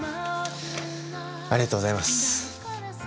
ありがとうございます。